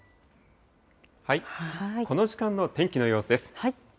この時間の天気の様子です。